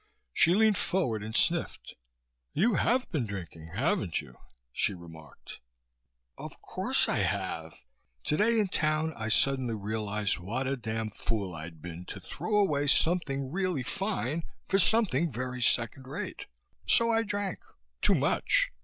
She leaned forward and sniffed. "You have been drinking, haven't you?" she remarked. "Of course I have! Today, in town, I suddenly realized what a damn fool I'd been to throw away something really fine for something very second rate. So I drank. Too much.